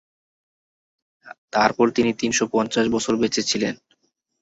তারপর তিনি তিনশ পঞ্চাশ বছর বেঁচে ছিলেন।